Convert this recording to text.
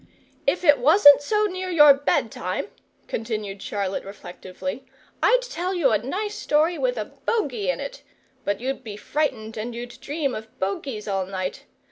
"If it wasn't so near your bedtime," continued Charlotte, reflectively, "I'd tell you a nice story with a bogy in it. But you'd be frightened, and you'd dream of bogies all night.